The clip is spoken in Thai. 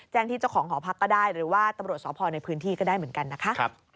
ที่เจ้าของหอพักก็ได้หรือว่าตำรวจสพในพื้นที่ก็ได้เหมือนกันนะคะ